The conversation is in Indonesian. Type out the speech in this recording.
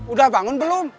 udah bangun belum